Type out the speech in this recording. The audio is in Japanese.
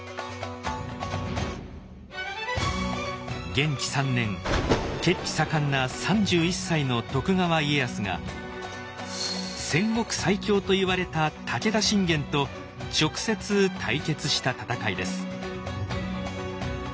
元亀３年血気盛んな３１歳の徳川家康が戦国最強といわれた武田信玄と直接対決した戦いです。